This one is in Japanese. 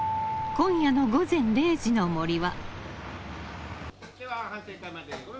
今夜の「午前０時の森」は。